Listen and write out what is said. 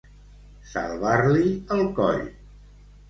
Salvar-li el coll.